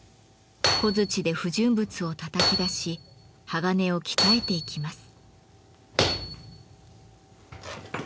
小づちで不純物をたたき出し鋼を鍛えていきます。